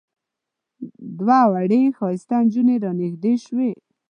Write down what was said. دوه وړې ښایسته نجونې را نږدې شوې.